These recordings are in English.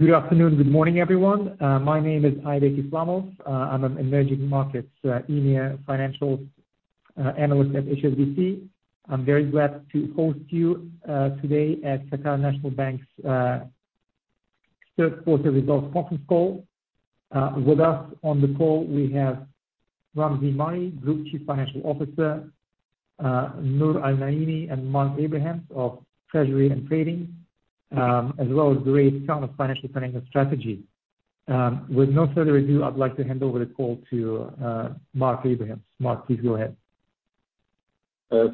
Good afternoon, good morning, everyone. My name is Aybek Islamov. I'm an Emerging Markets, EMEA Financials Analyst at HSBC. I'm very glad to host you today at Qatar National Bank's third quarter results conference call. With us on the call, we have Ramzi Mari, Group Chief Financial Officer, Noor Al-Naimi and Mark Abrahams of Treasury and Trading, as well as Ghuraid Al-Khalifa, Financial Planning and Strategy. With no further ado, I'd like to hand over the call to Mark Abrahams. Mark, please go ahead.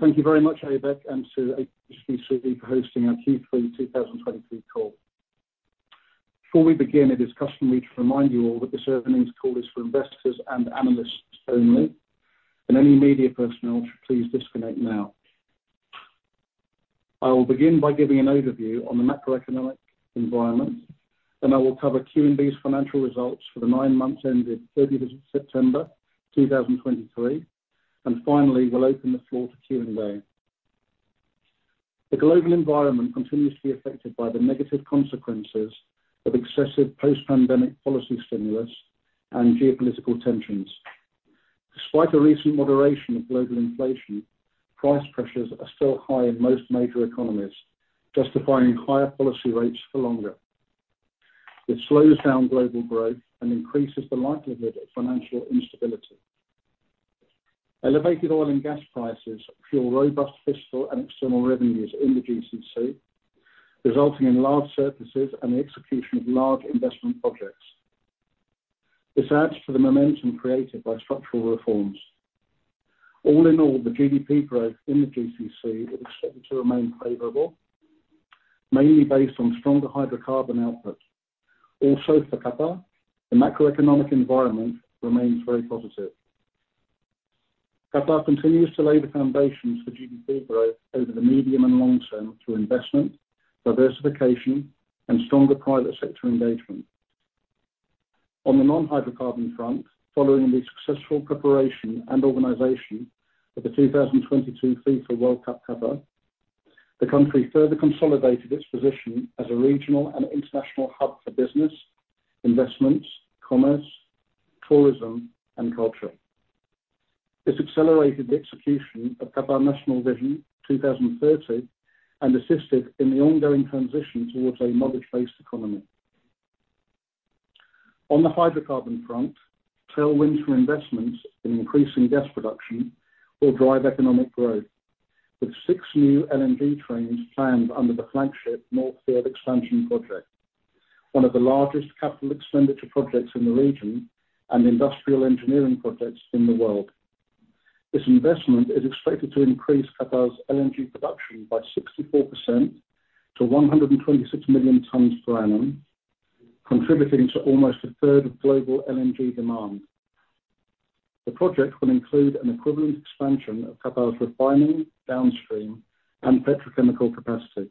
Thank you very much, Aybek, and to HSBC for hosting our Q3 2023 call. Before we begin, it is customary to remind you all that this earnings call is for investors and analysts only. Any media personnel should please disconnect now. I will begin by giving an overview on the macroeconomic environment. I will cover QNB's financial results for the nine months ended 30 September 2023. Finally, we'll open the floor to Q&A. The global environment continues to be affected by the negative consequences of excessive post-pandemic policy stimulus and geopolitical tensions. Despite the recent moderation of global inflation, price pressures are still high in most major economies, justifying higher policy rates for longer. It slows down global growth and increases the likelihood of financial instability. Elevated oil and gas prices fuel robust fiscal and external revenues in the GCC, resulting in large surpluses and the execution of large investment projects. This adds to the momentum created by structural reforms. All in all, the GDP growth in the GCC is expected to remain favorable, mainly based on stronger hydrocarbon outputs. Also, for Qatar, the macroeconomic environment remains very positive. Qatar continues to lay the foundations for GDP growth over the medium and long term through investment, diversification, and stronger private sector engagement. On the non-hydrocarbon front, following the successful preparation and organization of the 2022 FIFA World Cup Qatar, the country further consolidated its position as a regional and international hub for business, investments, commerce, tourism, and culture. This accelerated the execution of Qatar National Vision 2030 and assisted in the ongoing transition towards a knowledge-based economy. On the hydrocarbon front, tailwinds from investments in increasing gas production will drive economic growth, with six new LNG trains planned under the flagship North Field Expansion project, one of the largest capital expenditure projects in the region and industrial engineering projects in the world. This investment is expected to increase Qatar's LNG production by 64% to 126 million tons per annum, contributing to almost a third of global LNG demand. The project will include an equivalent expansion of Qatar's refining, downstream, and petrochemical capacity.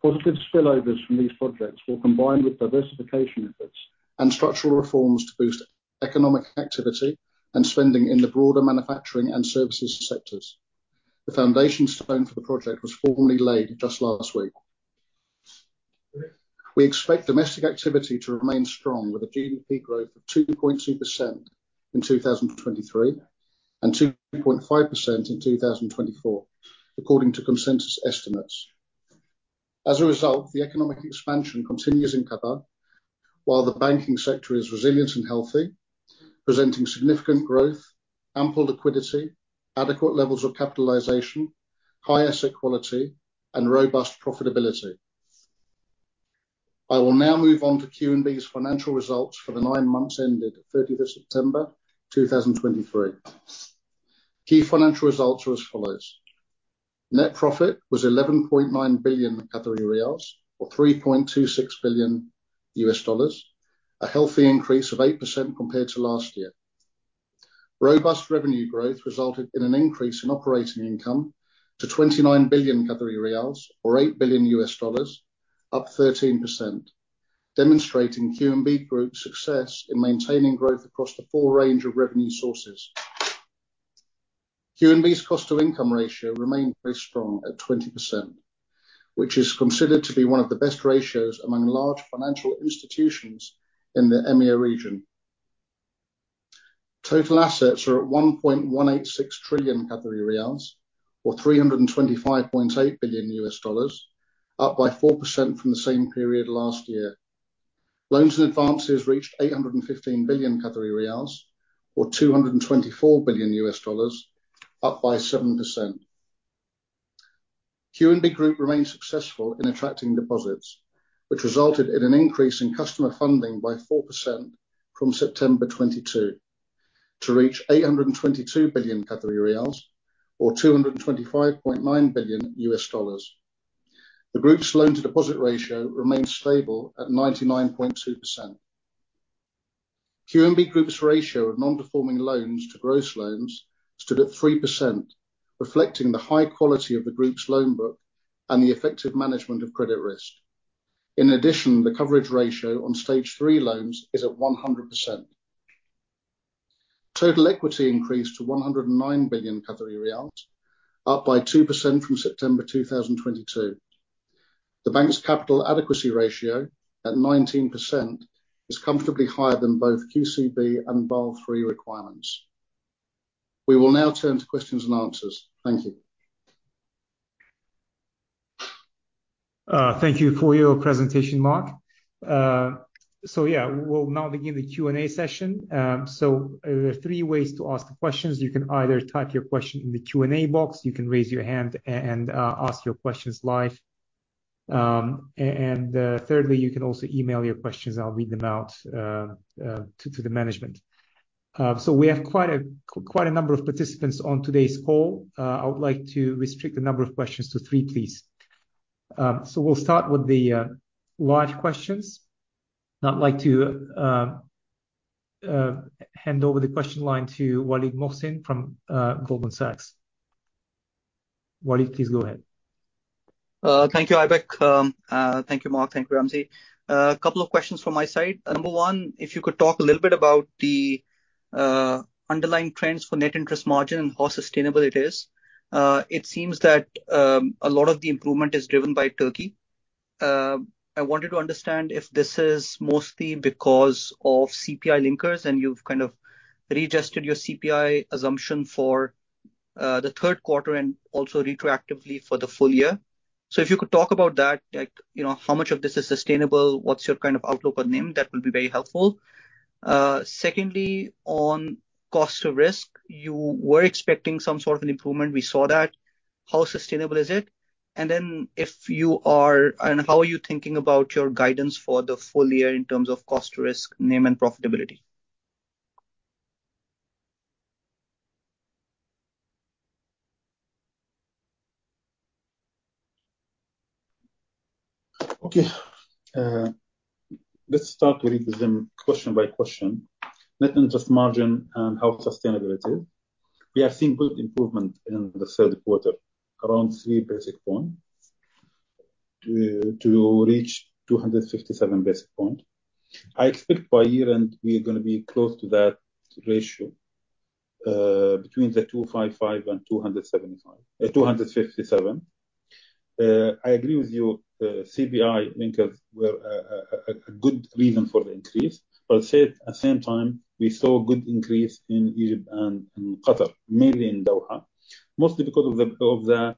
Positive spillovers from these projects will combine with diversification efforts and structural reforms to boost economic activity and spending in the broader manufacturing and services sectors. The foundation stone for the project was formally laid just last week. We expect domestic activity to remain strong, with a GDP growth of 2.2% in 2023 and 2.5% in 2024, according to consensus estimates. As a result, the economic expansion continues in Qatar, while the banking sector is resilient and healthy, presenting significant growth, ample liquidity, adequate levels of capitalization, high asset quality, and robust profitability. I will now move on to QNB's financial results for the nine months ended 30 September 2023. Key financial results are as follows: Net profit was 11.9 billion Qatari riyals, or $3.26 billion, a healthy increase of 8% compared to last year. Robust revenue growth resulted in an increase in operating income to 29 billion Qatari riyals, or $8 billion, up 13%, demonstrating QNB Group's success in maintaining growth across the full range of revenue sources. QNB's cost-to-income ratio remained very strong at 20%, which is considered to be one of the best ratios among large financial institutions in the EMEA region. Total assets are at 1.186 trillion Qatari riyals, or $325.8 billion, up by 4% from the same period last year. Loans and advances reached 815 billion Qatari riyals, or $224 billion, up by 7%. QNB Group remains successful in attracting deposits, which resulted in an increase in customer funding by 4% from September 2022 to reach 822 billion Qatari riyals, or $225.9 billion. The Group's loan-to-deposit ratio remains stable at 99.2%. QNB Group's ratio of non-performing loans to gross loans stood at 3%, reflecting the high quality of the Group's loan book and the effective management of credit risk. In addition, the coverage ratio on Stage 3 loans is at 100%. Total equity increased to 109 billion Qatari riyals, up by 2% from September 2022. The bank's capital adequacy ratio, at 19%, is comfortably higher than both QCB and Basel III requirements. We will now turn to questions and answers. Thank you. Thank you for your presentation, Mark. We'll now begin the Q&A session. There are three ways to ask questions. You can either type your question in the Q&A box, you can raise your hand and ask your questions live, and thirdly, you can also email your questions, and I'll read them out to the management. We have quite a number of participants on today's call. I would like to restrict the number of questions to three, please. We'll start with the live questions. Now I'd like to hand over the question line to Waleed Mohsin from Goldman Sachs. Waleed, please go ahead. Thank you, Aybek. Thank you, Mark. Thank you, Ramzi. A couple of questions from my side. Number one, if you could talk a little bit about the underlying trends for net interest margin and how sustainable it is. It seems that a lot of the improvement is driven by Turkey. I wanted to understand if this is mostly because of CPI linkers and you've kind of readjusted your CPI assumption for the third quarter and also retroactively for the full year. If you could talk about that, like how much of this is sustainable, what's your kind of outlook on NIM? That will be very helpful. Secondly, on cost to risk, you were expecting some sort of an improvement. We saw that. How sustainable is it? How are you thinking about your guidance for the full year in terms of cost to risk, NIM, and profitability? Okay. Let's start with the question by question. Net interest margin and how sustainable it is. We have seen good improvement in the third quarter, around three basis points to reach 257 basis points. I expect by year-end, we are going to be close to that ratio, between 255 and 257. I agree with you, CPI linkers were a good reason for the increase. Said at same time, we saw a good increase in Egypt and in Qatar, mainly in Doha. Mostly because of the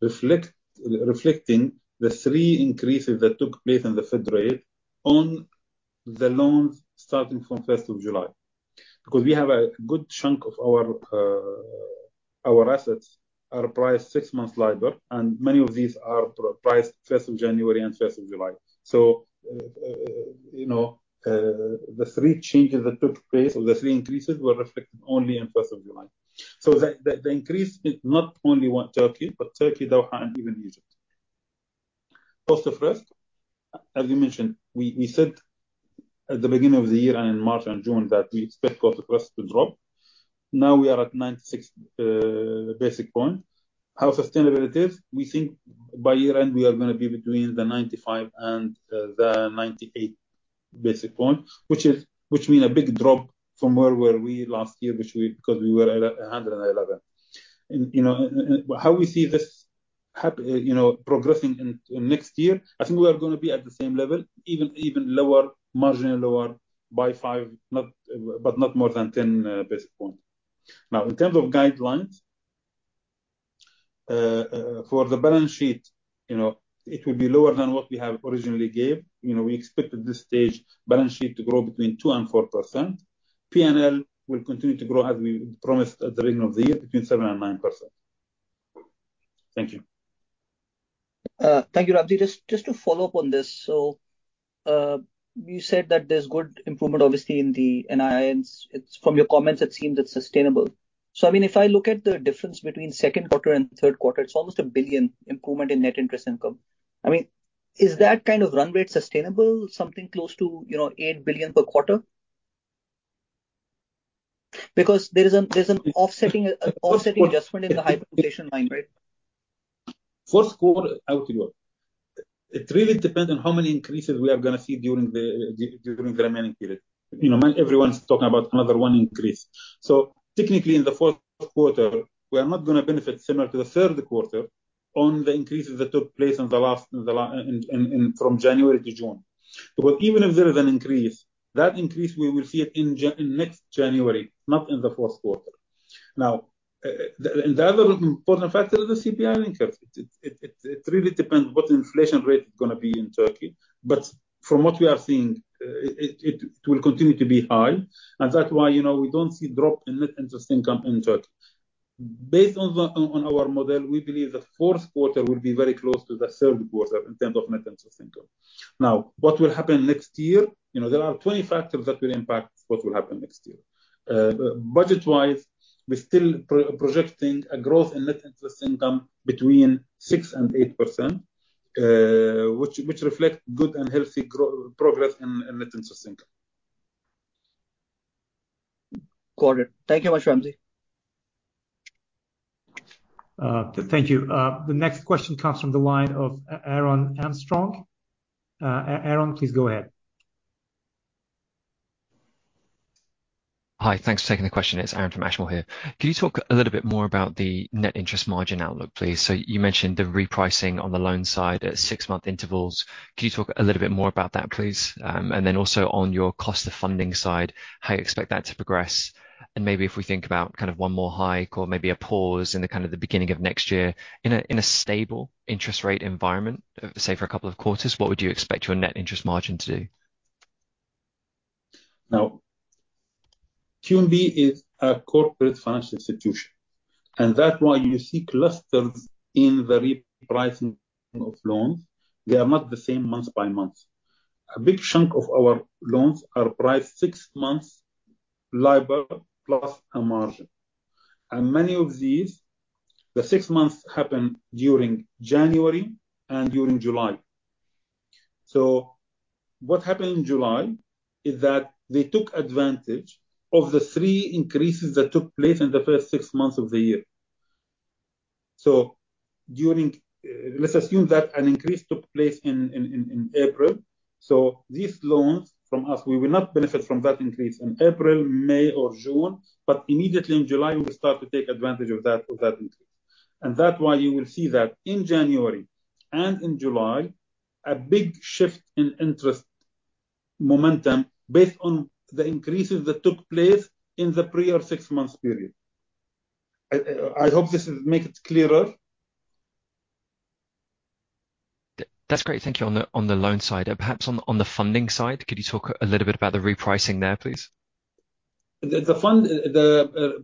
reflecting the three increases that took place in the Fed rate on the loans starting from July 1st. We have a good chunk of our assets are priced six months LIBOR, and many of these are priced January 1st and July 1st. The three changes that took place or the three increases were reflected only in July 1st. The increase is not only want Turkey, but Turkey, Doha, and even Egypt. Cost of risk, as you mentioned, we said at the beginning of the year and in March and June that we expect cost of risk to drop. Now we are at 96 basis points. How sustainable it is? We think by year-end, we are going to be between 95 and 98 basis points, which mean a big drop from where were we last year because we were at 111. How we see this progressing in next year, I think we are going to be at the same level, even lower, marginally lower by five, but not more than 10 basis points. In terms of guidelines, for the balance sheet, it will be lower than what we have originally gave. We expect at this stage balance sheet to grow between 2%-4%. PNL will continue to grow as we promised at the beginning of the year, between 7%-9%. Thank you. Thank you, Ramzi. Just to follow up on this. You said that there's good improvement, obviously, in the NII, from your comments, it seems it's sustainable. I mean, if I look at the difference between second quarter and third quarter, it's almost a 1 billion improvement in net interest income. I mean, is that kind of run rate sustainable, something close to 8 billion per quarter? There's an offsetting adjustment in the hyperinflation line, right? Fourth quarter outlook. It really depends on how many increases we are going to see during the remaining period. Everyone's talking about another one increase. Technically, in the fourth quarter, we are not going to benefit similar to the third quarter on the increases that took place from January to June. Even if there is an increase, that increase, we will see it in next January, not in the fourth quarter. The other important factor is the CPI linkers. It really depends what inflation rate is going to be in Turkey. From what we are seeing, it will continue to be high, and that's why we don't see drop in net interest income in Turkey. Based on our model, we believe the fourth quarter will be very close to the third quarter in terms of net interest income. What will happen next year? There are 20 factors that will impact what will happen next year. Budget-wise, we're still projecting a growth in net interest income between 6% and 8%, which reflect good and healthy progress in net interest income. Got it. Thank you very much, Ramzi. Thank you. The next question comes from the line of Aaron Armstrong. Aaron, please go ahead. Hi. Thanks for taking the question. It is Aaron from Ashmore here. Can you talk a little bit more about the net interest margin outlook, please? You mentioned the repricing on the loan side at six-month intervals. Can you talk a little bit more about that, please? Also on your cost of funding side, how you expect that to progress, and maybe if we think about one more hike or maybe a pause in the beginning of next year. In a stable interest rate environment, say, for a couple of quarters, what would you expect your net interest margin to do? QNB is a corporate financial institution, and that why you see clusters in the repricing of loans. They are not the same month by month. A big chunk of our loans are priced six months LIBOR plus a margin. Many of these, the six months happen during January and during July. What happened in July is that they took advantage of the three increases that took place in the first six months of the year. Let's assume that an increase took place in April. These loans from us, we will not benefit from that increase in April, May, or June. Immediately in July, we will start to take advantage of that increase. That why you will see that in January and in July, a big shift in interest momentum based on the increases that took place in the prior six months period. I hope this make it clearer. That's great. Thank you. On the loan side. Perhaps on the funding side, could you talk a little bit about the repricing there, please? The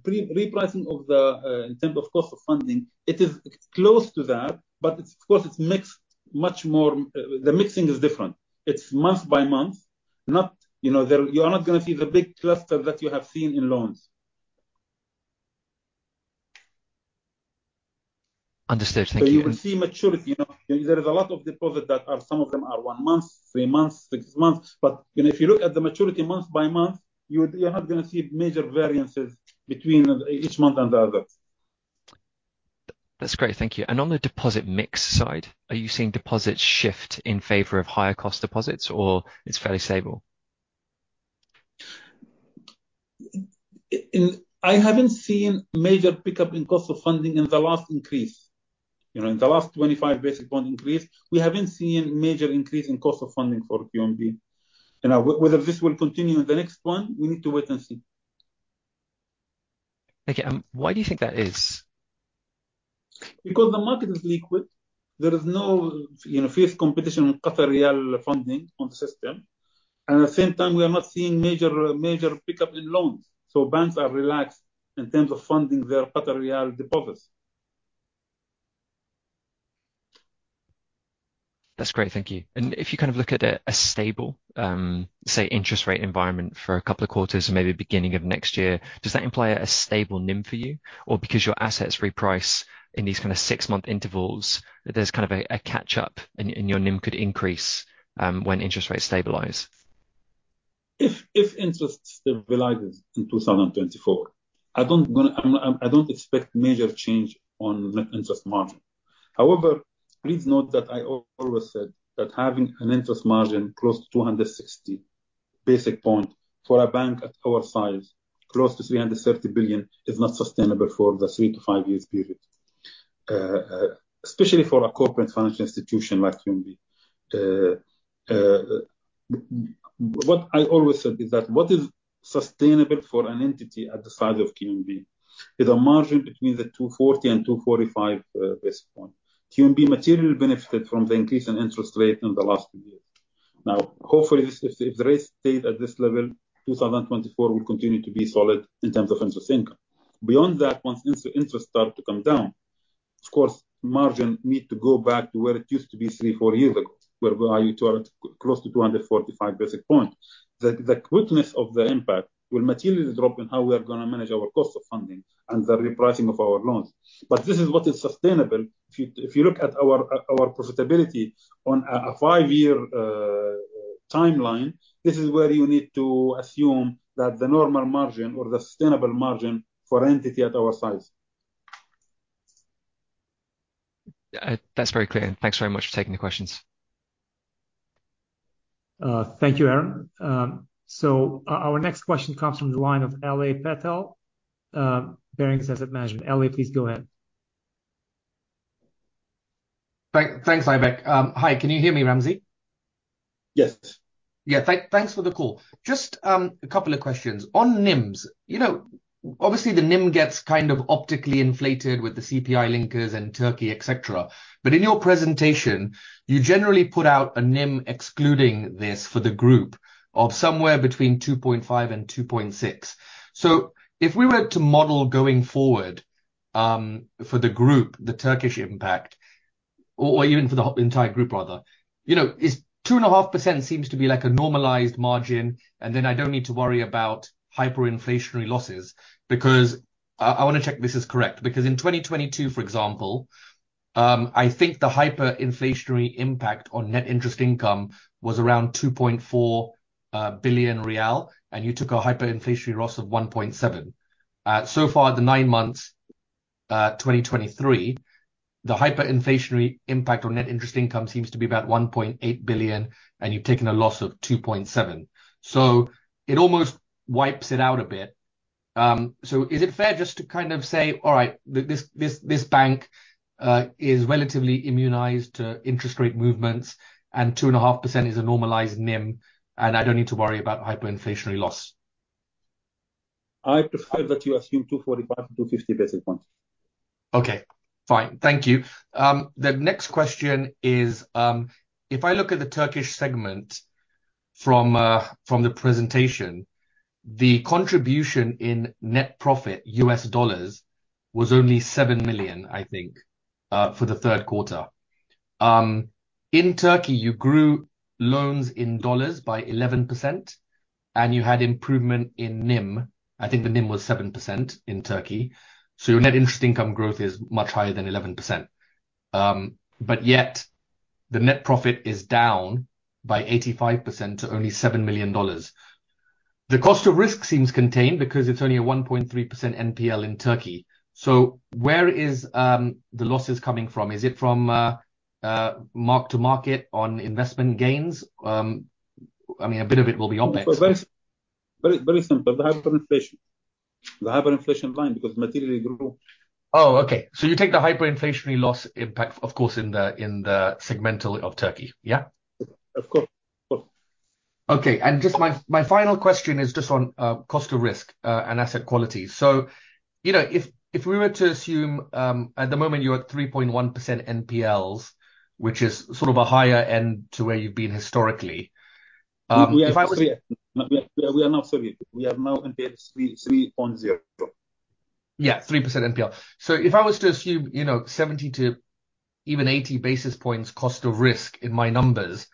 repricing in terms of cost of funding, it is close to that, the mixing is different. It's month by month, you are not going to see the big cluster that you have seen in loans. Understood. Thank you. You will see maturity. There is a lot of deposit, some of them are one month, three months, six months. If you look at the maturity month by month, you are not going to see major variances between each month and the others. That's great. Thank you. On the deposit mix side, are you seeing deposits shift in favor of higher cost deposits or it's fairly stable? I haven't seen major pickup in cost of funding in the last increase. In the last 25 basis point increase, we haven't seen major increase in cost of funding for QNB. Whether this will continue in the next one, we need to wait and see. Okay. Why do you think that is? The market is liquid. There is no fierce competition on QAR funding on system. At the same time, we are not seeing major pickup in loans. Banks are relaxed in terms of funding their QAR deposits. That's great. Thank you. If you look at a stable, say, interest rate environment for a couple of quarters or maybe beginning of next year, does that imply a stable NIM for you? Or because your assets reprice in these kind of 6-month intervals, there's a catch up and your NIM could increase, when interest rates stabilize? If interest stabilizes in 2024, I don't expect major change on net interest margin. However, please note that I always said that having an interest margin close to 260 basis points for a bank at our size, close to 330 billion, is not sustainable for the 3-5 years period, especially for a corporate financial institution like QNB. What I always said is that what is sustainable for an entity at the size of QNB is a margin between 240 and 245 basis points. QNB materially benefited from the increase in interest rate in the last two years. Hopefully, if the rates stay at this level, 2024 will continue to be solid in terms of interest income. Beyond that, once interest start to come down, of course, margin need to go back to where it used to be three, four years ago, where value to close to 245 basis points. The quickness of the impact will materially drop in how we are going to manage our cost of funding and the repricing of our loans. This is what is sustainable. If you look at our profitability on a five-year timeline, this is where you need to assume that the normal margin or the sustainable margin for entity at our size. That's very clear. Thanks very much for taking the questions. Thank you, Aaron. Our next question comes from the line of Alay Patel. Barings Asset Management. Alay, please go ahead. Thanks, Aybek. Hi, can you hear me, Ramzi? Yes. Yeah. Thanks for the call. Just a couple of questions. On NIMs, obviously, the NIM gets optically inflated with the CPI linkers in Turkey, et cetera. In your presentation, you generally put out a NIM excluding this for the group of somewhere between 2.5 and 2.6. If we were to model going forward, for the group, the Turkish impact, or even for the entire group rather, 2.5% seems to be like a normalized margin, and then I don't need to worry about hyperinflationary losses because I want to check this is correct. In 2022, for example I think the hyperinflationary impact on NII was around QAR 2.4 billion, and you took a hyperinflationary loss of 1.7 billion. Far, the 9 months 2023, the hyperinflationary impact on NII seems to be about 1.8 billion, and you've taken a loss of 2.7 billion. It almost wipes it out a bit. Is it fair just to say, "All right, this bank is relatively immunized to interest rate movements, and 2.5% is a normalized NIM, and I don't need to worry about hyperinflationary loss? I prefer that you assume 245 to 250 basis points. Okay, fine. Thank you. The next question is, if I look at the Turkish segment from the presentation, the contribution in net profit, U.S. dollars, was only $7 million, I think, for the third quarter. In Turkey, you grew loans in dollars by 11%, and you had improvement in NIM. I think the NIM was 7% in Turkey. Your net interest income growth is much higher than 11%. Yet the net profit is down by 85% to only $7 million. The cost of risk seems contained because it is only a 1.3% NPL in Turkey. Where is the losses coming from? Is it from mark to market on investment gains? I mean, a bit of it will be OPEX. Very simple. The hyperinflation. The hyperinflation line, because materially grew. Oh, okay. You take the hyperinflationary loss impact, of course, in the segmental of Turkey. Yeah? Of course. Okay. Just my final question is just on cost of risk and asset quality. If we were to assume, at the moment you're at 3.1% NPLs, which is sort of a higher end to where you've been historically. If I was We are now 3. We are now NPL 3.0 Yeah, 3% NPL. If I was to assume 70 to even 80 basis points cost of risk in my numbers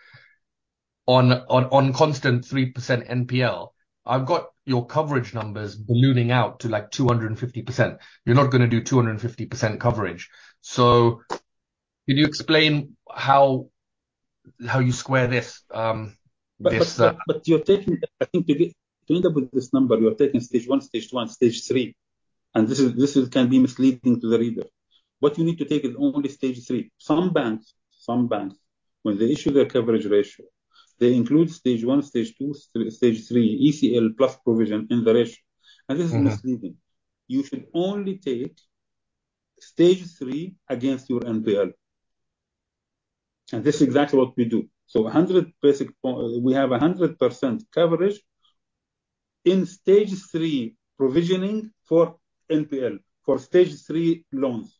on constant 3% NPL, I've got your coverage numbers ballooning out to like 250%. You're not going to do 250% coverage. Can you explain how you square this risk? I think to end up with this number, you are taking Stage 1, Stage 2 and Stage 3. This can be misleading to the reader. What you need to take is only Stage 3. Some banks, when they issue their coverage ratio, they include Stage 1, Stage 2, Stage 3, ECL plus provision in the ratio. This is misleading. You should only take Stage 3 against your NPL. This is exactly what we do. We have 100% coverage in Stage 3 provisioning for NPL, for Stage 3 loans.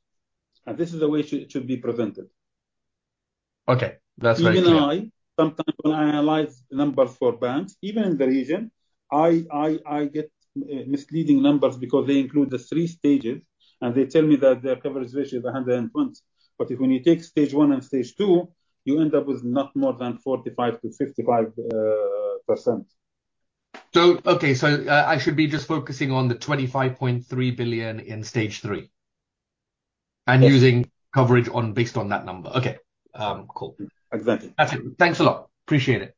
This is the way it should be presented. Okay, that's very clear. Even I, sometimes when I analyze numbers for banks, even in the region, I get misleading numbers because they include the 3 stages, and they tell me that their coverage ratio is 120. When you take Stage 1 and Stage 2, you end up with not more than 45%-55%. Okay. I should be just focusing on the 25.3 billion in Stage 3. Yes. Using coverage based on that number. Okay. Cool. Exactly. That's it. Thanks a lot. Appreciate it.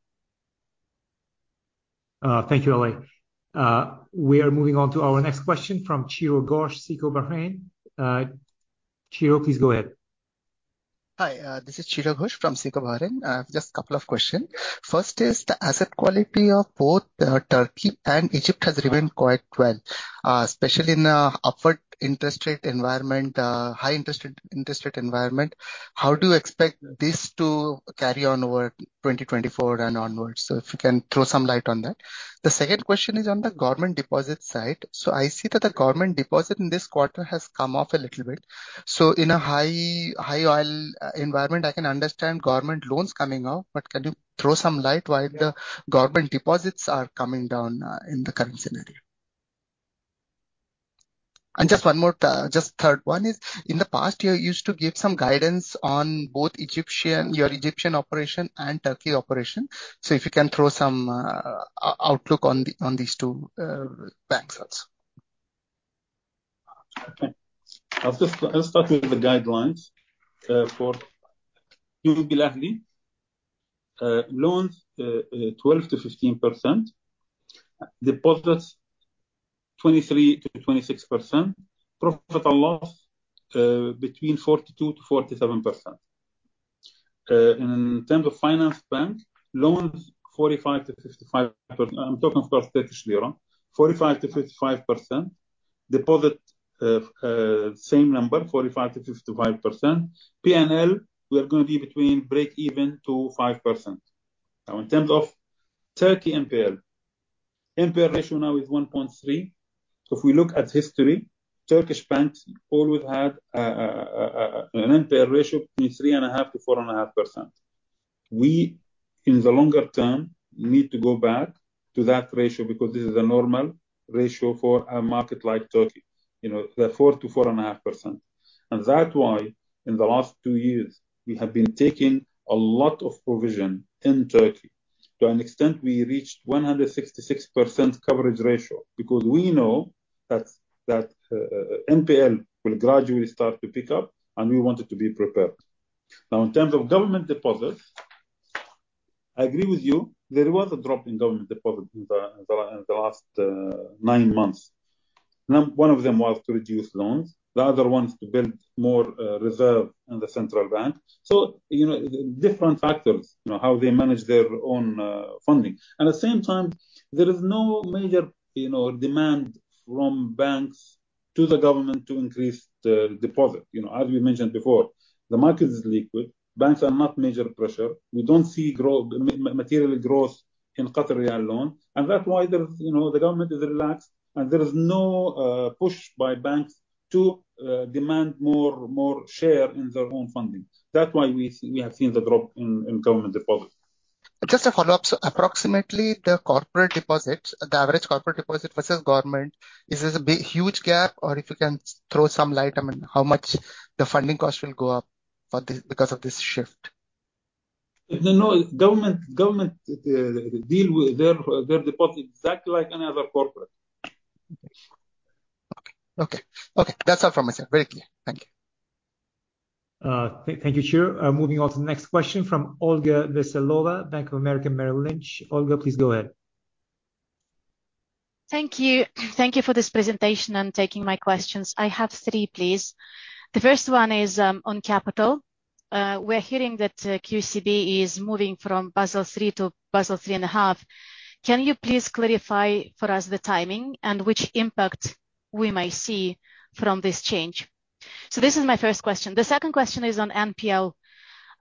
Thank you, Alay. We are moving on to our next question from Chiradeep Ghosh, SICO Bahrain. Chirag, please go ahead. Hi. This is Chiradeep Ghosh from SICO Bahrain. Just a couple of questions. First, the asset quality of both Turkey and Egypt has remained quite well, especially in the upward interest rate environment, high interest rate environment. How do you expect this to carry on over 2024 and onwards? If you can throw some light on that. The second question is on the government deposit side. I see that the government deposit in this quarter has come off a little bit. In a high oil environment, I can understand government loans coming off, but can you throw some light why the government deposits are coming down, in the current scenario? Just one more, just third one is, in the past you used to give some guidance on both your Egyptian operation and Turkey operation. If you can throw some outlook on these two banks also. Okay. I'll start with the guidelines. For QNB ALAHLI, loans, 12%-15%, deposits, 23%-26%, profit on loans, between 42%-47%. In terms of QNB Finansbank, loans, 45%-55%. I'm talking, of course, TRY. 45%-55%. Deposit, same number, 45%-55%. PNL, we are going to be between breakeven to 5%. In terms of Turkey NPL ratio now is 1.3%. If we look at history, Turkish banks always had an NPL ratio between 3.5%-4.5%. We, in the longer term, need to go back to that ratio because this is a normal ratio for a market like Turkey. The 4%-4.5%. That's why in the last two years, we have been taking a lot of provision in Turkey. To an extent, we reached 166% coverage ratio because we know that NPL will gradually start to pick up, and we wanted to be prepared. In terms of government deposits, I agree with you. There was a drop in government deposit in the last nine months. One of them was to reduce loans, the other one is to build more reserve in the central bank. Different factors, how they manage their own funding. At the same time, there is no major demand from banks to the government to increase the deposit. As we mentioned before, the market is liquid. Banks are not major pressure. We don't see material growth in Qatari loan. That's why the government is relaxed, and there is no push by banks to demand more share in their own funding. That's why we have seen the drop in government deposit. Just a follow-up. Approximately the corporate deposits, the average corporate deposit versus government, is this a huge gap? If you can throw some light, I mean, how much the funding cost will go up because of this shift? No, government deal with their deposit exactly like any other corporate. Okay. That's all from my side. Very clear. Thank you. Thank you, Shir. Moving on to the next question from Olga Veselova, Bank of America Merrill Lynch. Olga, please go ahead. Thank you. Thank you for this presentation and taking my questions. I have three, please. The first one is on capital. We're hearing that QCB is moving from Basel III to Basel III and a half. Can you please clarify for us the timing and which impact we may see from this change? This is my first question. The second question is on NPL,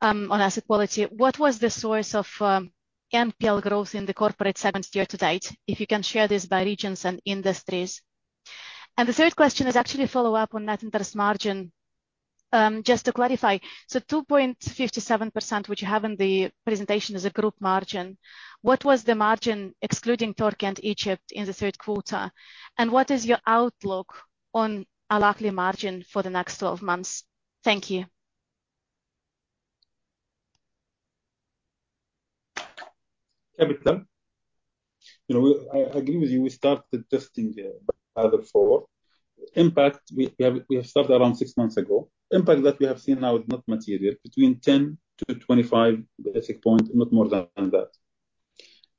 on asset quality. What was the source of NPL growth in the corporate segment year to date? If you can share this by regions and industries. The third question is actually a follow-up on net interest margin. Just to clarify, 2.57%, which you have in the presentation as a group margin, what was the margin excluding Turkey and Egypt in the third quarter, and what is your outlook on QNB ALAHLI margin for the next 12 months? Thank you. Capital. I agree with you. We started testing the Basel IV impact. We have stopped around six months ago. Impact that we have seen now is not material. Between 10 to 25 basis points, not more than that.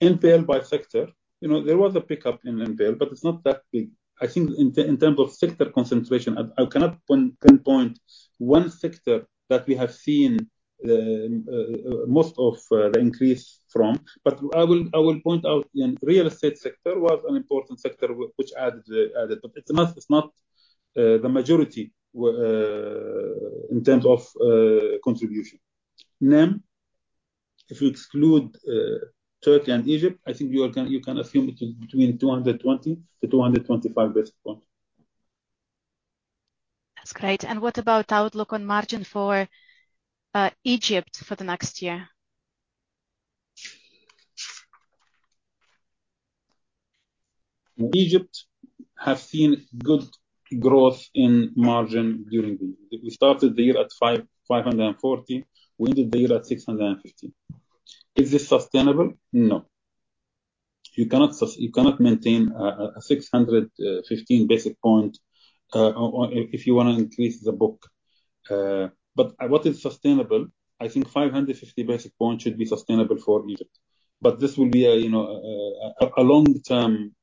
NPL by sector. There was a pickup in NPL, but it's not that big. I think in terms of sector concentration, I cannot pinpoint one sector that we have seen most of the increase from. I will point out, real estate sector was an important sector, which added. It's not the majority in terms of contribution. NIM, if you exclude Turkey and Egypt, I think you can assume it is between 220 to 225 basis points. That's great. What about outlook on margin for Egypt for the next year? Egypt have seen good growth in margin during the year. We started the year at 540. We ended the year at 615. Is this sustainable? No. You cannot maintain a 615 basis point if you want to increase the book. What is sustainable, I think 550 basis point should be sustainable for Egypt, but this will be a long-term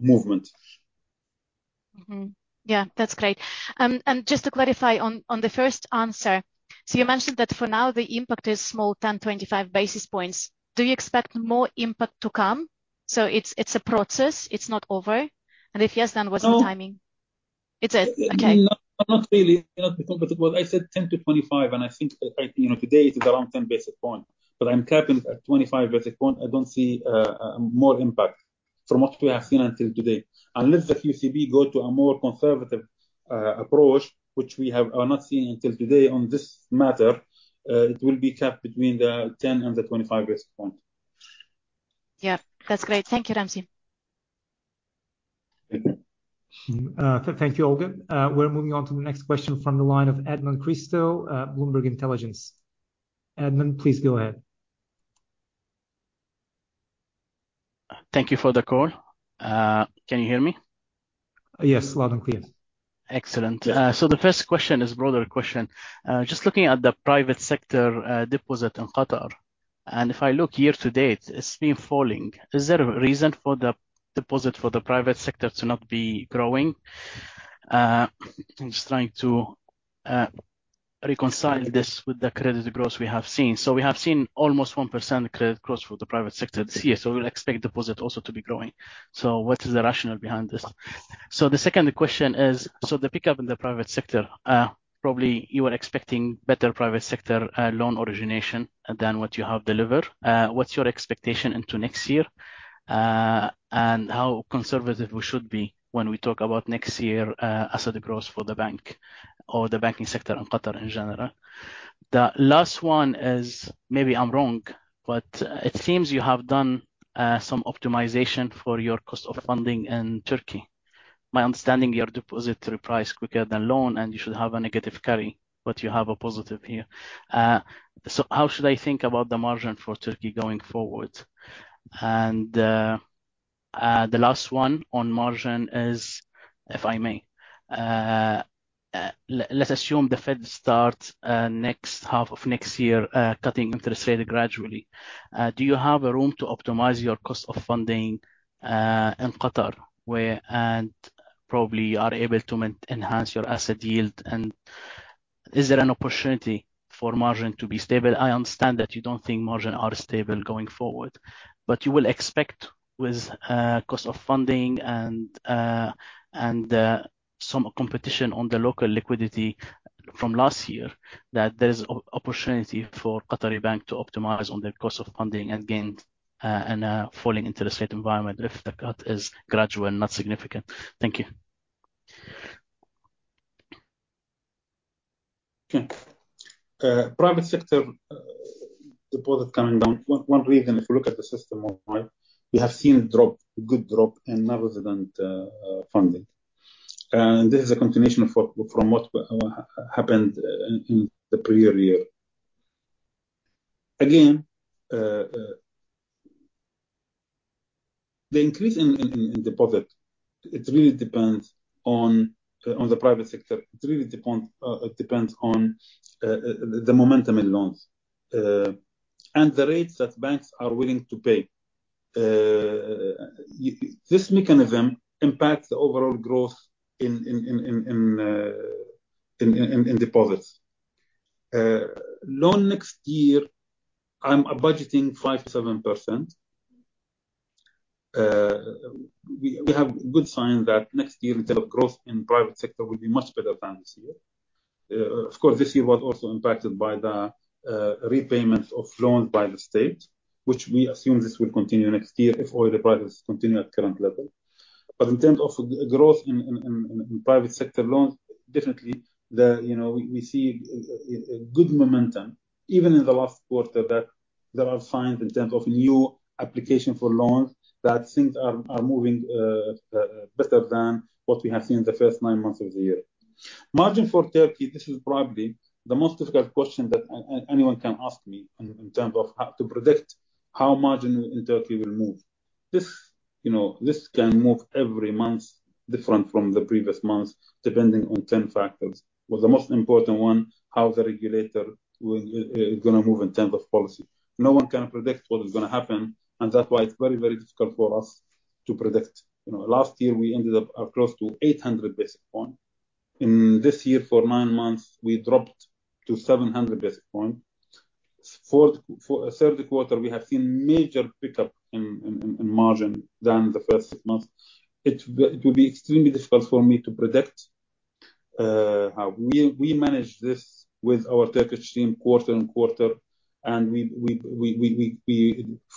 movement. Yeah, that's great. Just to clarify on the first answer, you mentioned that for now the impact is small, 10, 25 basis points. Do you expect more impact to come? It's a process, it's not over? If yes, what's the timing? No. It's Okay. Not really. I said 10-25 basis points, I think today it is around 10 basis point, I'm capping at 25 basis point. I don't see more impact from what we have seen until today. Unless the QCB go to a more conservative approach, which we have are not seeing until today on this matter, it will be capped between the 10 and the 25 basis point. Yeah. That's great. Thank you, Ramzi. Okay. Thank you, Olga. We're moving on to the next question from the line of Edmond Christou, Bloomberg Intelligence. Edmond, please go ahead. Thank you for the call. Can you hear me? Yes, loud and clear. Excellent. The first question is broader question. Just looking at the private sector deposit in Qatar, if I look year to date, it's been falling. Is there a reason for the deposit for the private sector to not be growing? I'm just trying to reconcile this with the credit growth we have seen. We have seen almost 1% credit growth for the private sector this year, we'll expect deposit also to be growing. What is the rationale behind this? The second question is, the pickup in the private sector, probably you were expecting better private sector loan origination than what you have delivered. What's your expectation into next year, and how conservative we should be when we talk about next year asset growth for the bank or the banking sector in Qatar in general? The last one is, maybe I'm wrong, it seems you have done some optimization for your cost of funding in Turkey. My understanding, your depository price quicker than loan, you should have a negative carry, you have a positive here. How should I think about the margin for Turkey going forward? The last one on margin is, if I may, let's assume the Fed starts next half of next year cutting interest rate gradually. Do you have a room to optimize your cost of funding in Qatar where, probably are able to enhance your asset yield? Is there an opportunity for margin to be stable? I understand that you don't think margin are stable going forward, you will expect with cost of funding and some competition on the local liquidity from last year that there's opportunity for Qatari Bank to optimize on their cost of funding and gain in a falling interest rate environment if the cut is gradual and not significant. Thank you. Private sector deposit coming down. One reason, if you look at the system overall, we have seen a good drop in resident funding. This is a continuation from what happened in the prior year. Again, the increase in deposit, it really depends on the private sector. It really depends on the momentum in loans and the rates that banks are willing to pay. This mechanism impacts the overall growth in deposits. Loan next year, I'm budgeting 5%-7%. We have good signs that next year in terms of growth in private sector will be much better than this year. Of course, this year was also impacted by the repayment of loans by the state, which we assume this will continue next year if oil prices continue at current level. In terms of growth in private sector loans, definitely we see a good momentum even in the last quarter that was signed in terms of new application for loans that things are moving better than what we have seen in the first nine months of the year. Margin for Turkey, this is probably the most difficult question that anyone can ask me in terms of how to predict how margin in Turkey will move. This can move every month different from the previous month depending on 10 factors, with the most important one, how the regulator going to move in terms of policy. No one can predict what is going to happen, and that's why it's very difficult for us to predict. Last year, we ended up close to 800 basis points. This year, for nine months, we dropped to 700 basis points. For third quarter, we have seen major pickup in margin than the first six months. It will be extremely difficult for me to predict how. We manage this with our Turkish team quarter-on-quarter. We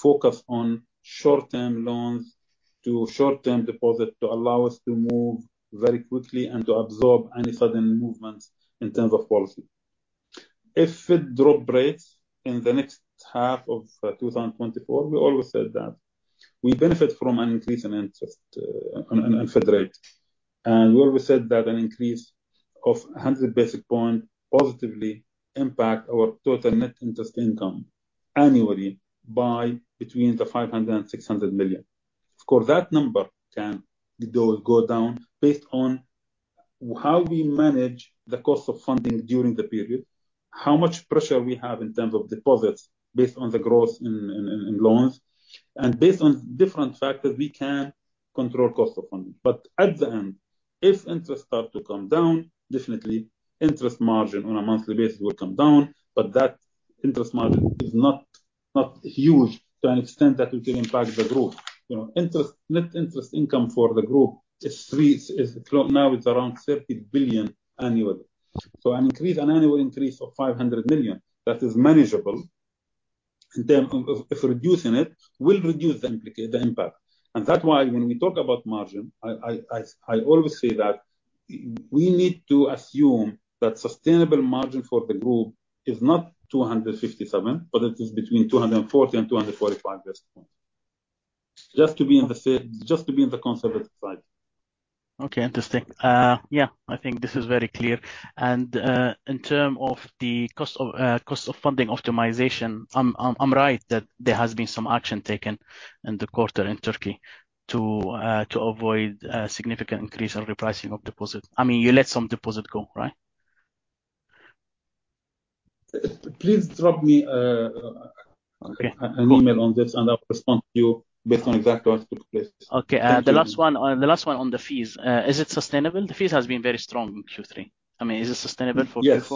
focus on short-term loans to short-term deposit to allow us to move very quickly and to absorb any sudden movements in terms of policy. If Fed drop rates in the next half of 2024, we always said that we benefit from an increase in interest on Fed rate. We always said that an increase of 100 basis points positively impact our total net interest income annually by between 500 million and 600 million. Of course, that number can go down based on how we manage the cost of funding during the period, how much pressure we have in terms of deposits based on the growth in loans, and based on different factors we can control cost of funding. At the end, if interest start to come down, definitely interest margin on a monthly basis will come down, but that interest margin is not huge to an extent that it will impact the group. Net interest income for the group is now it's around 30 billion annually. An annual increase of 500 million, that is manageable. If reducing it, will reduce the impact. That's why when we talk about margin, I always say that we need to assume that sustainable margin for the group is not 257, but it is between 240 and 245 basis points. Just to be in the conservative side. Okay. Interesting. Yeah, I think this is very clear. In terms of the cost of funding optimization, I'm right that there has been some action taken in the quarter in Turkey to avoid a significant increase on repricing of deposit. I mean, you let some deposit go, right? Please drop me- Okay An email on this, I'll respond to you based on exactly what took place. Okay. The last one on the fees. Is it sustainable? The fees have been very strong in Q3. I mean, is it sustainable for Q4? Yes.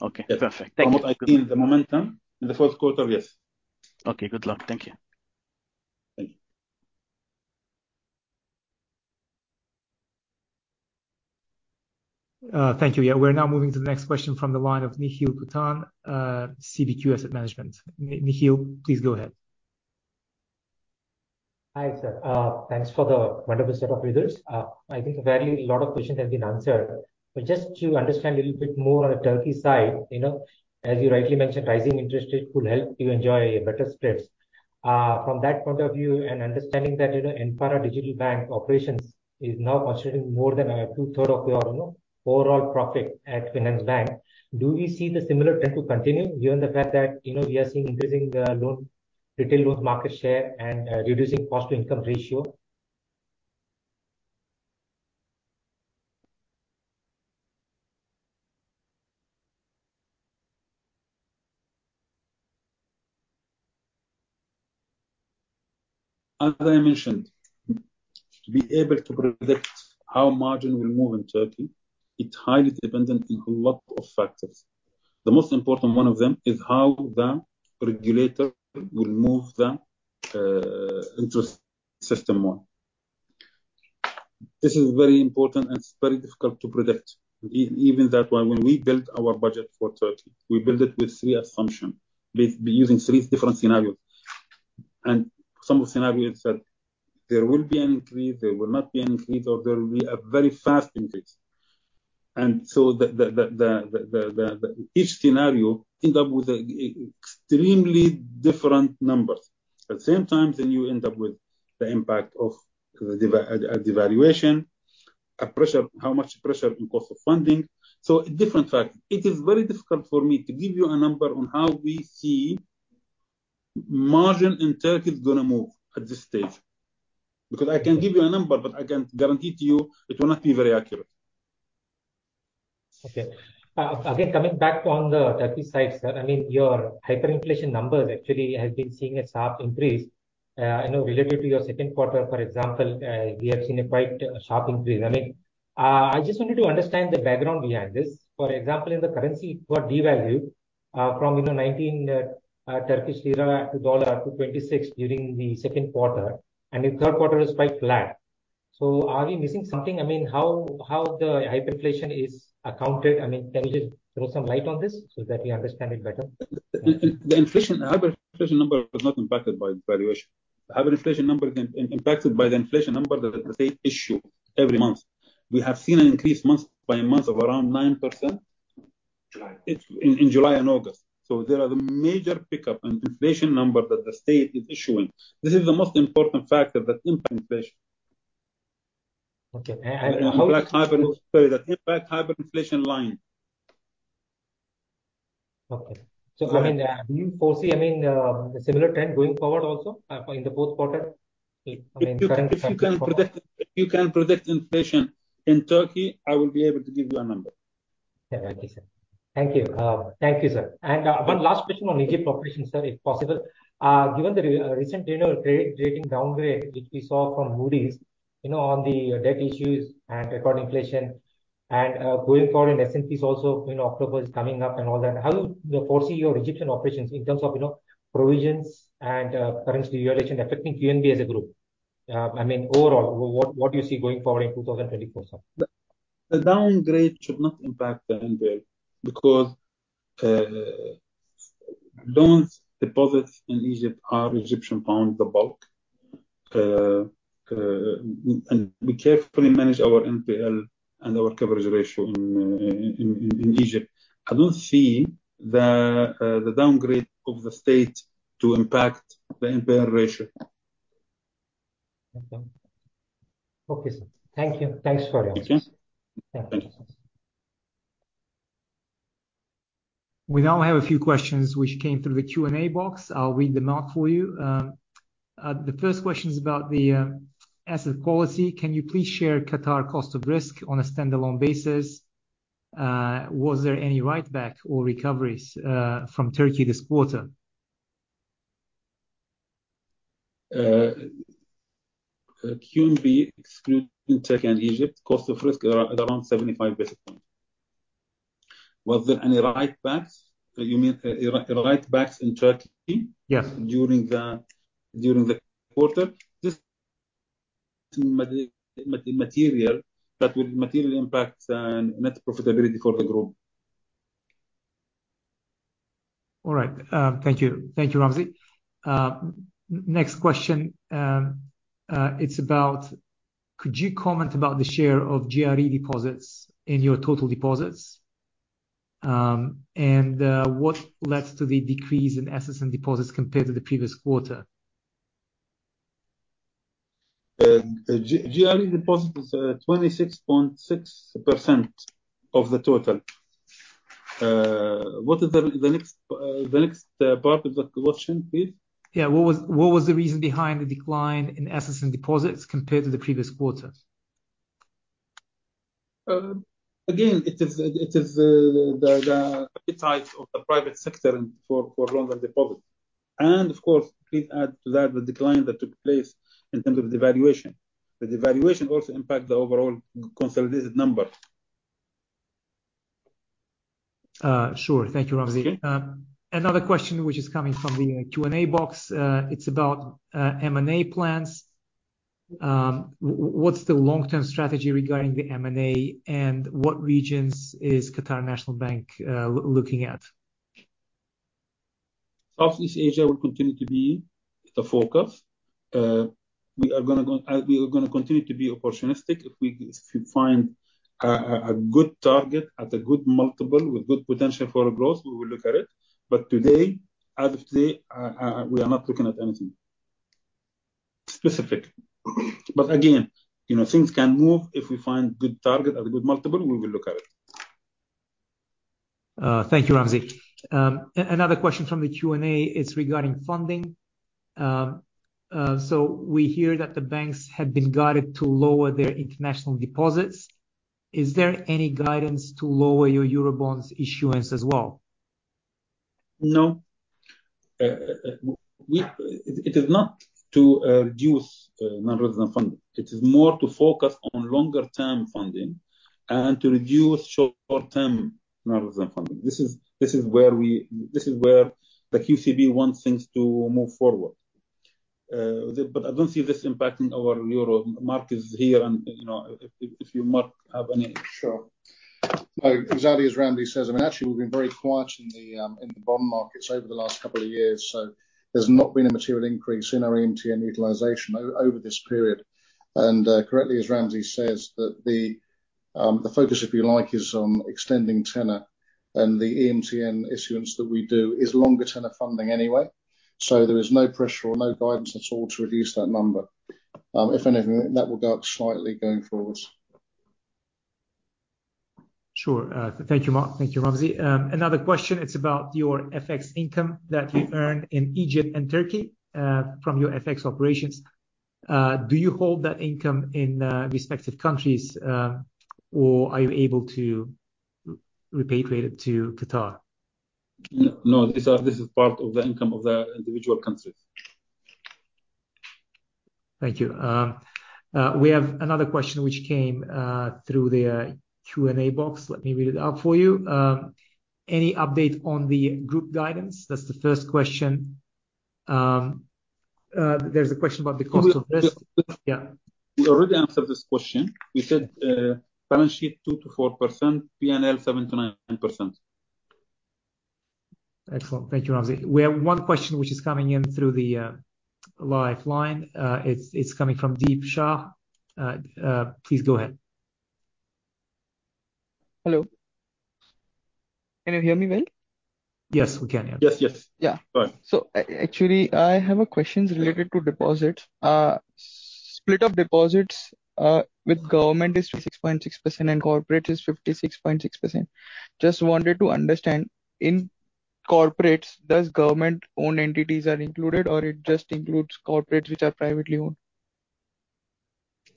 Okay. Perfect. Thank you. From what I've seen, the momentum in the fourth quarter, yes. Okay. Good luck. Thank you. Thank you. Thank you. We're now moving to the next question from the line of Nikhil Kuttan, CBQ Asset Management. Nikhil, please go ahead. Hi, sir. Thanks for the wonderful set of results. I think a lot of questions have been answered, but just to understand a little bit more on the Turkey side, as you rightly mentioned, rising interest rate could help you enjoy better spreads. From that point of view and understanding that Enpara Digital Bank operations is now constituting more than 2/3 of your overall profit at Finance Bank, do we see the similar trend to continue given the fact that we are seeing increasing loan, retail loan market share, and reducing cost to income ratio? As I mentioned, to be able to predict how margin will move in Turkey, it's highly dependent on a lot of factors. The most important one of them is how the regulator will move the interest system 1. This is very important and very difficult to predict. Even that one, when we built our budget for Turkey, we built it with three assumptions, using three different scenarios. Some of the scenarios said there will be an increase, there will not be an increase, or there will be a very fast increase. Each scenario end up with extremely different numbers. At the same time, then you end up with the impact of devaluation, how much pressure in cost of funding. Different factors. It is very difficult for me to give you a number on how we see margin in Turkey is going to move at this stage. Because I can give you a number, but I can guarantee to you it will not be very accurate. Coming back on the Turkey side, sir, your hyperinflation numbers actually have been seeing a sharp increase. I know, relative to your 2Q, for example, we have seen a quite sharp increase. I just wanted to understand the background behind this. For example, in the currency it got devalued from 19 Turkish lira to TRY 26 during the 2Q, and the 3Q is quite flat. Are we missing something? How the hyperinflation is accounted, can you just throw some light on this so that we understand it better? The hyperinflation number is not impacted by devaluation. The hyperinflation number is impacted by the inflation number that the state issue every month. We have seen an increase month-by-month of around 9%. July. In July and August. There are the major pickup in inflation number that the state is issuing. This is the most important factor that impact inflation. Okay. Sorry, that impact hyperinflation line. Okay. Do you foresee a similar trend going forward also in the fourth quarter? If you can predict inflation in Turkey, I will be able to give you a number. Yeah. Okay, sir. Thank you. Thank you, sir. One last question on Egypt operations, sir, if possible. Given the recent rating downgrade, which we saw from Moody's on the debt issues and record inflation and going forward, and S&P's also in October is coming up and all that, how do you foresee your Egyptian operations in terms of provisions and currency devaluation affecting QNB as a group? Overall, what do you see going forward in 2024, sir? The downgrade should not impact the QNB because loans deposits in Egypt are Egyptian pound, the bulk. We carefully manage our NPL and our coverage ratio in Egypt. I don't see the downgrade of the state to impact the NPL ratio. Okay. Okay, sir. Thank you. Thanks for your answers. Thank you. Thank you. We now have a few questions which came through the Q&A box. I'll read them out for you. The first question is about the asset quality. Can you please share Qatar cost of risk on a standalone basis? Was there any write-backs or recoveries from Turkey this quarter? QNB, excluding Turkey and Egypt, cost of risk are around 75 basis points. Was there any write-backs? You mean write-backs in Turkey? Yes You mean during the quarter? Just immaterial. That will materially impact net profitability for the group. All right. Thank you. Thank you, Ramzi. Next question, it's about, could you comment about the share of GRE deposits in your total deposits? What led to the decrease in assets and deposits compared to the previous quarter? GRE deposit is 26.6% of the total. What is the next part of the question, please? Yeah. What was the reason behind the decline in assets and deposits compared to the previous quarter? Again, it is the appetite of the private sector for loan and deposit. Of course, please add to that the decline that took place in terms of devaluation. The devaluation also impact the overall consolidated number. Sure. Thank you, Ramzi. Another question which is coming from the Q&A box. It's about M&A plans. What's the long-term strategy regarding the M&A, what regions is Qatar National Bank looking at? Southeast Asia will continue to be the focus. We are going to continue to be opportunistic. If we find a good target at a good multiple with good potential for our growth, we will look at it. Today, as of today, we are not looking at anything specific. Again, things can move. If we find good target at a good multiple, we will look at it. Thank you, Ramzi. Another question from the Q&A. It's regarding funding. We hear that the banks have been guided to lower their international deposits. Is there any guidance to lower your Eurobonds issuance as well? No. It is not to reduce non-resident funding. It is more to focus on longer-term funding and to reduce short-term non-resident funding. This is where the QCB wants things to move forward. I don't see this impacting our Euro markets here. Sure. Exactly as Ramzi says, I mean, actually, we've been very quiet in the bond markets over the last couple of years, there's not been a material increase in our EMTN utilization over this period. Correctly, as Ramzi says, that the focus, if you like, is on extending tenor, and the EMTN issuance that we do is longer tenor funding anyway. There is no pressure or no guidance at all to reduce that number. If anything, that will go up slightly going forwards. Sure. Thank you, Mark. Thank you, Ramzi. Another question, it's about your FX income that you earn in Egypt and Turkey, from your FX operations. Do you hold that income in respective countries, or are you able to repatriate it to Qatar? No, this is part of the income of the individual countries. Thank you. We have another question which came through the Q&A box. Let me read it out for you. Any update on the group guidance? That's the first question. There's a question about the cost of risk. We- Yeah. We already answered this question. We said balance sheet, 2%-4%, PNL, 7%-9%. Excellent. Thank you, Ramzi. We have one question which is coming in through the lifeline. It's coming from Deep Shah. Please go ahead. Hello. Can you hear me well? Yes, we can. Yeah. Yes. Yes. Yeah. Go on. Actually, I have a question related to deposits. Split of deposits, with government is 6.6%, and corporate is 56.6%. Just wanted to understand, in corporates, does government-owned entities are included, or it just includes corporates which are privately owned?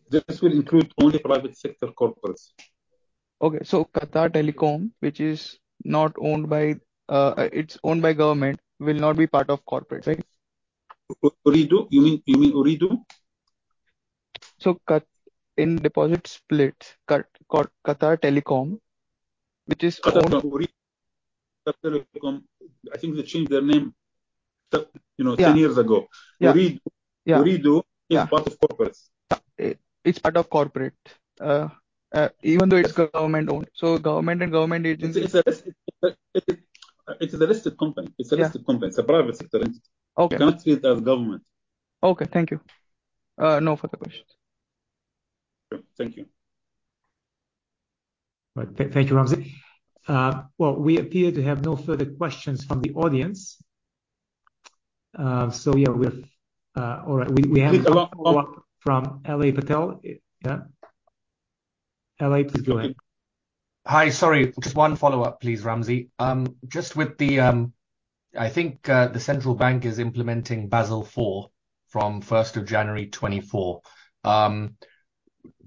This will include all the private sector corporates. Okay. Qatar Telecom, which is owned by government, will not be part of corporate, right? Ooredoo? You mean Ooredoo? In deposit splits, Qatar Telecom, which is owned- Qatar Telecom, I think they changed their name 10 years ago. Yeah. Ooredoo- Yeah is part of corporates. It's part of corporate, even though it's government-owned. It's a listed company. Yeah. It's a listed company. It's a private sector entity. Okay. You cannot see it as government. Okay. Thank you. No further questions. Thank you. Right. Thank you, Ramzi. Well, we appear to have no further questions from the audience. Yeah, All right, we have- We have one more from Alay Patel. Yeah. Alay, please go ahead. Hi. Sorry. Just one follow-up, please, Ramzi. Just with the, I think, the central bank is implementing Basel IV from 1st of January 2024.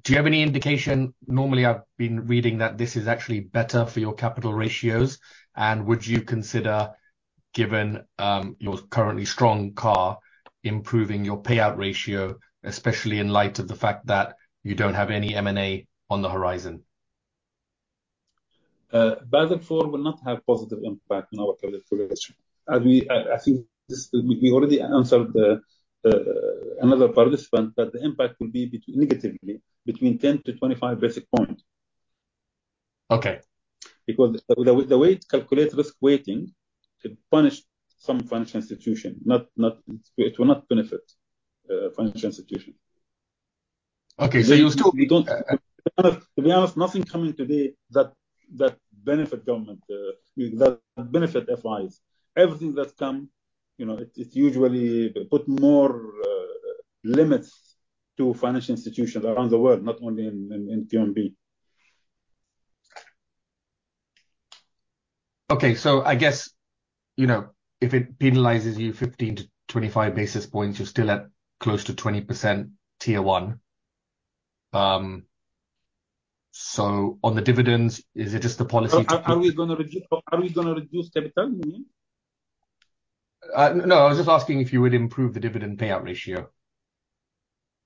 Do you have any indication? Normally, I've been reading that this is actually better for your capital ratios. Would you consider, given your currently strong CAR, improving your payout ratio, especially in light of the fact that you don't have any M&A on the horizon? Basel IV will not have positive impact on our capital ratio. I think we already answered another participant, that the impact will be negatively between 10 to 25 basis points. Okay. The way it calculates risk weighting to punish some financial institution, it will not benefit financial institution. Okay. you're still- To be honest, nothing coming today that benefit government, that benefit FIs. Everything that come, it usually put more limits to financial institutions around the world, not only in QNB. Okay. I guess, if it penalizes you 15 to 25 basis points, you're still at close to 20% Tier 1. On the dividends, is it just the policy to- Are we going to reduce capital, you mean? No, I was just asking if you would improve the dividend payout ratio.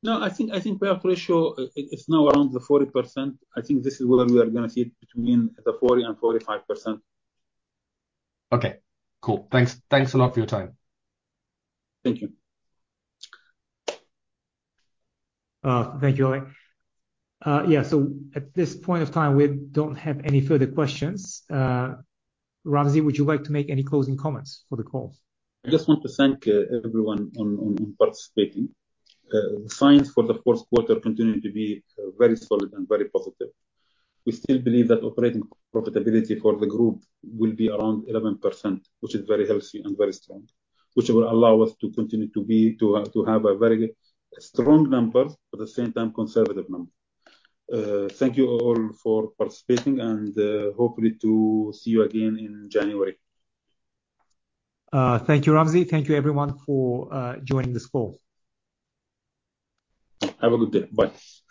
No, I think payout ratio, it's now around the 40%. I think this is where we are going to see it, between the 40% and 45%. Okay. Cool. Thanks a lot for your time. Thank you. Thank you, Alay. At this point of time, we don't have any further questions. Ramzi, would you like to make any closing comments for the call? I just want to thank everyone on participating. Signs for the fourth quarter continue to be very solid and very positive. We still believe that operating profitability for the group will be around 11%, which is very healthy and very strong, which will allow us to continue to have a very strong number, at the same time, conservative number. Thank you all for participating, and hopefully to see you again in January. Thank you, Ramzi. Thank you everyone for joining this call. Have a good day. Bye.